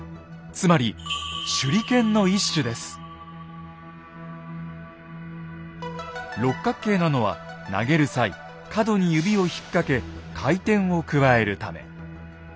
つまり六角形なのは投げる際角に指を引っ掛け回転を加えるため。